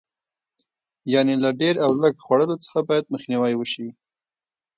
یعنې له ډېر او لږ خوړلو څخه باید مخنیوی وشي.